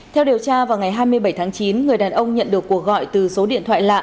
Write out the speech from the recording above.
theo điều tra vào ngày hai mươi bảy tháng chín người đàn ông nhận được cuộc gọi từ số điện thoại lạ